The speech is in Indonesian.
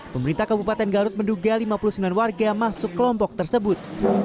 pemerintah kabupaten garut menduga lima puluh sembilan warga masuk kelompok tersebut